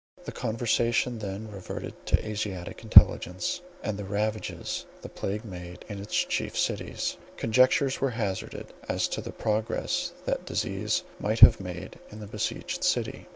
The conversation then reverted to Asiatic intelligence, and the ravages the plague made in its chief cities; conjectures were hazarded as to the progress that disease might have made in the besieged city.